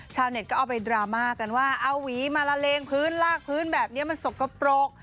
ชาวเน็ตก็เอาไปดราม่ากันว่าเอาหวีมาละเลงพื้นลากพื้นแบบนี้มันสกปรก